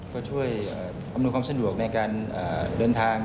ก็ช่วยอำนวยความสะดวกในการเดินทาง